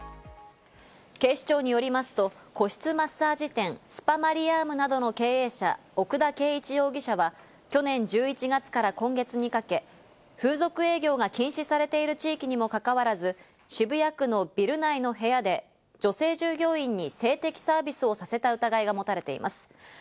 警視庁によりますと個室マッサージ店スパマリアームなどの経営者・奥田圭一容疑者は、去年１１月から今月にかけ、風俗営業が禁止されている地域にもかかわらず、渋谷区のビル内の部屋で女性従業員に性的サービスをさせた疑いが持たれています。